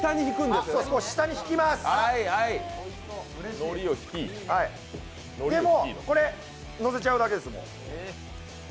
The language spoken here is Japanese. でも、これ、のせちゃうだけです。